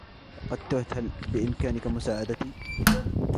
لقد تهتُ ، هل بإمكانك مساعدتي ؟